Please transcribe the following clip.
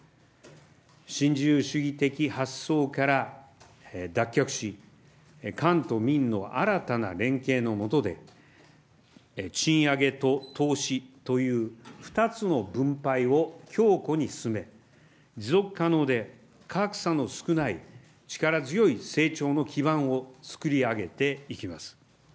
新自由主義的発想から脱却し、官と民の新たな連携の下で、賃上げと投資という２つの分配を強固に進め、持続可能で格差の少ない、力強い成長の基盤を作り上げていきます。